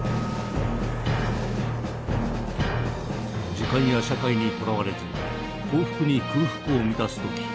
時間や社会にとらわれず幸福に空腹を満たすとき